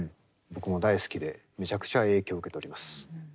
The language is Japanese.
僕も大好きでめちゃくちゃ影響を受けております。